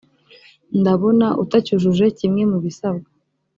ndabona utacyujuje kimwe mu bisabwa